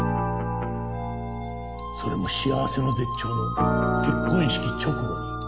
それも幸せの絶頂の結婚式直後に。